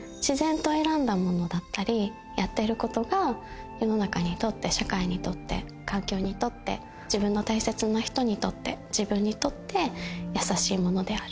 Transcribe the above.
自然と選んだものだったりやっていることが世の中にとって社会にとって環境にとって自分の大切な人にとって自分にとって優しいものである。